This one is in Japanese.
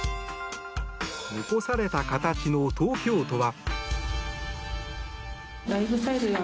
残された形の東京都は。